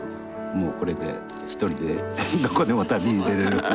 もうこれで１人でどこでも旅に出れる。